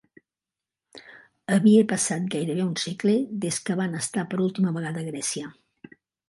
Havia passat gairebé un segle des que van estar per última vegada a Grècia.